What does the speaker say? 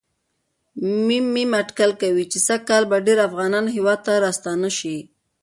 م.م اټکل کوي چې سږ کال به ډېر افغانان هېواد ته راستانه شي.